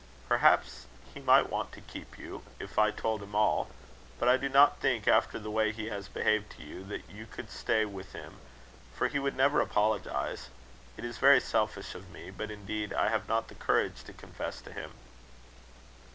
"Perhaps he might want to keep you, if I told him all; but I do not think, after the way he has behaved to you, that you could stay with him, for he would never apologize. It is very selfish of me; but indeed I have not the courage to confess to him."